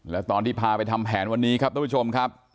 แล้วตอนที่พาไปทำแผนวันนี้ครับทุกผู้ชมครับ